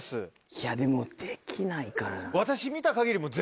いやでもできないから。